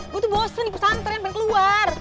gue tuh bosen ikut santra yang pengen keluar